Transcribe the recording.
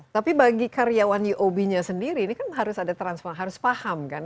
tapi bagi karyawan uob nya sendiri ini kan harus ada transfer harus paham kan